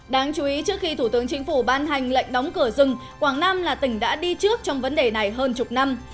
đáng chú ý trước khi thủ tướng chính phủ ban hành lệnh đóng cửa rừng quảng nam là tỉnh đã đi trước trong vấn đề này hơn chục năm